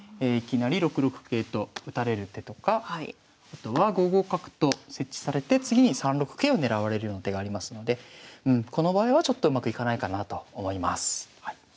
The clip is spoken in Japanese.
いきなり６六桂と打たれる手とかあとは５五角と設置されて次に３六桂を狙われるような手がありますのでこの場合はちょっとうまくいかないかなと思います。